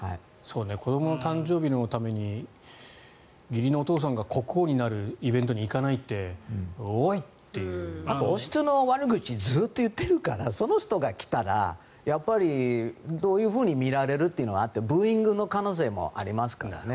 子どもの誕生日のために義理のお父さんが国王になるイベントにあと、王室の悪口をずっと言っているからその人が来たらやっぱりどういうふうに見られるというのがあってブーイングの可能性もありますからね。